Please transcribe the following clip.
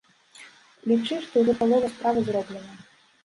Лічы, што ўжо палова справы зроблена.